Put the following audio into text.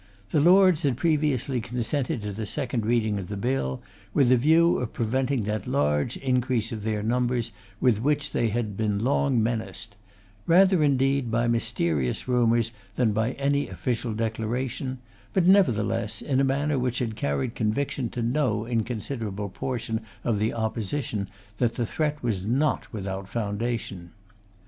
The Lords had previously consented to the second reading of the Bill with the view of preventing that large increase of their numbers with which they had been long menaced; rather, indeed, by mysterious rumours than by any official declaration; but, nevertheless, in a manner which had carried conviction to no inconsiderable portion of the Opposition that the threat was not without foundation.